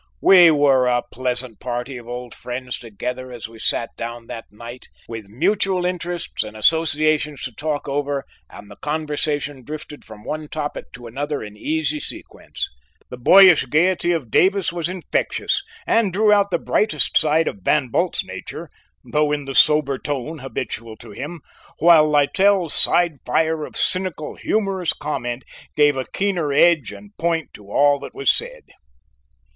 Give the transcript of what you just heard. We were a pleasant party of old friends together as we sat down that night, with mutual interests and associations to talk over, and the conversation drifted from one topic to another, in easy sequence. The boyish gayety of Davis was infectious, and drew out the brightest side of Van Bult's nature, though in the sober tone habitual to him, while Littell's side fire of cynical, humorous comment gave a keener edge and point to all that was said.